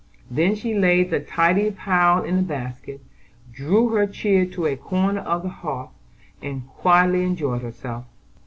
Then she laid the tidy pile in the basket, drew her chair to a corner of the hearth, and quietly enjoyed herself.